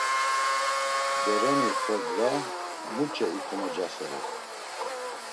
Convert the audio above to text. Beroni xordza muç̌e ikomocasere!